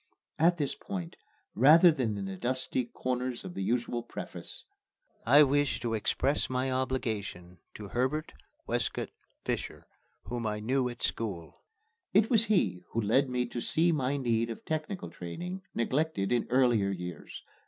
At this point, rather than in the dusty corners of the usual preface, I wish to express my obligation to Herbert Wescott Fisher, whom I knew at school. It was he who led me to see my need of technical training, neglected in earlier years.